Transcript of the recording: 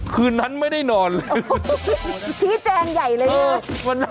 คืนนั้นไม่ได้นอนเลย